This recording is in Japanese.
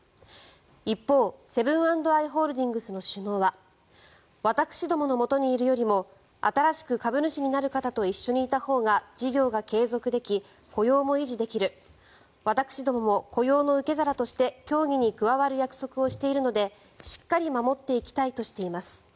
一方、セブン＆アイ・ホールディングスの首脳は私どものもとにいるよりも新しく株主となる方と一緒にいたほうが事業が継続でき雇用も維持できる私どもも雇用の受け皿として協議に加わる約束をしているのでしっかり守っていきたいとしています。